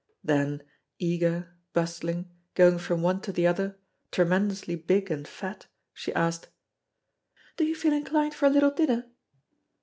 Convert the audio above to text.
Then, eager, bustling, going from one to the other, tremendously big and fat, she asked: "Do you feel inclined for a little dinner?"